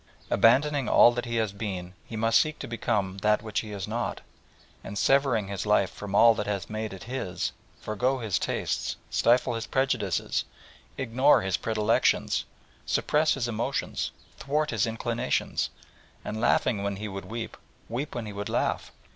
Abandoning all that he has been he must seek to become that which he is not, and severing his life from all that has made it his, forego his tastes, stifle his prejudices, ignore his predilections, suppress his emotions, thwart his inclinations, and laughing when he would weep, weep when he would laugh.